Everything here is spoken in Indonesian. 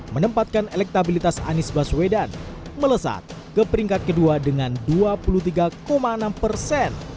menempatkan elektabilitas anies baswedan melesat ke peringkat kedua dengan dua puluh tiga enam persen